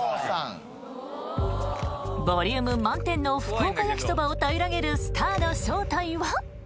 ボリューム満点の福岡焼きそばを平らげるスターの正体は？